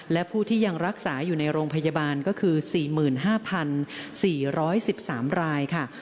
และผู้ที่ยังรักษาอยู่ในโรงพยาบาลก็คือ๔๕๔๑๓รายค่ะ